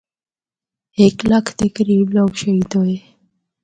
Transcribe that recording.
ہک لکھ دے قریب لوگ شہید ہوئے۔